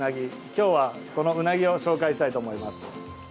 今日は、このウナギを紹介したいと思います。